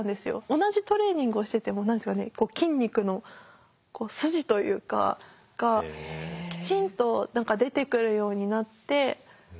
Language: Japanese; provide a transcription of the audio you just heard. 同じトレーニングをしてても筋肉の筋というかがきちんと出てくるようになって。